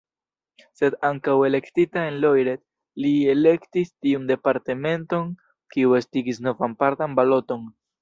Sed ankaŭ elektita en Loiret, li elektis tiun departementon, kio estigis novan partan baloton.